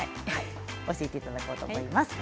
教えていただこうと思います。